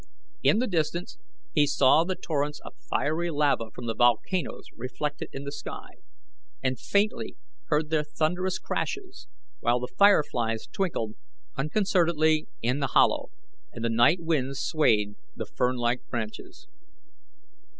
In the distance he saw the torrents of fiery lava from the volcanoes reflected in the sky, and faintly heard their thunderous crashes, while the fire flies twinkled unconcernedly in the hollow, and the night winds swayed the fernlike branches.